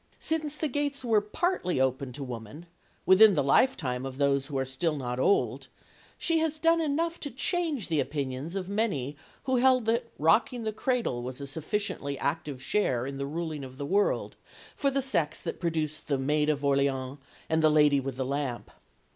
Since the gates were partly opened to woman, within the lifetime of those who are still not old, she has done enough to change the opinions of many who held that rocking the cradle was a sufficiently active share in the ruling of the world for the sex that produced the Maid of Orleans and the Lady with the Lamp.